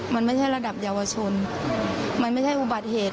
มันไม่ใช่ระดับเยาวชนมันไม่ใช่อุบัติเหตุ